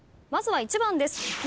まずは１番です。